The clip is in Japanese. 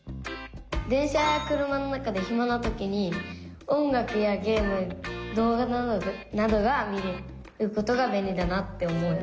電車や車の中でひまなときに音楽やゲーム動画などが見れることが便利だなって思う。